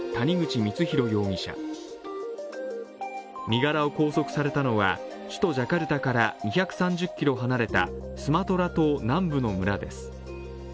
身柄を拘束されたのは、首都ジャカルタから２３０ｋｍ離れたスマトラ島南部の村です。